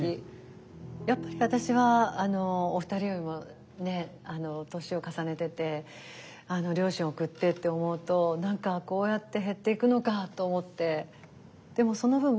やっぱり私はお二人よりも年を重ねてて両親を送ってって思うと何かこうやって減っていくのかと思って。